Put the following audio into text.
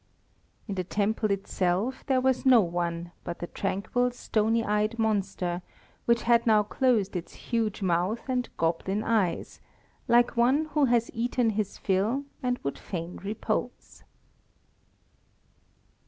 In the temple itself there was no one but the tranquil stony eyed monster which had now closed its huge mouth and goblin eyes, like one who has eaten his fill and would fain repose.